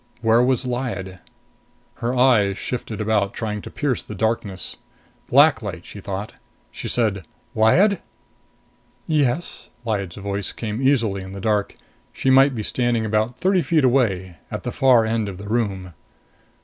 Where was Lyad? Her eyes shifted about, trying to pierce the darkness. Black light, she thought. She said, "Lyad?" "Yes?" Lyad's voice came easily in the dark. She might be standing about thirty feet away, at the far end of the room.